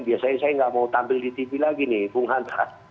biasanya saya nggak mau tampil di tv lagi nih bung hanta